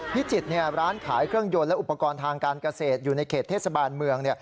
พิจิตรร้านขายเครื่องยนต์และอุปกรณ์ทางการเกษตรอยู่ในเขตเทศบาลเมือง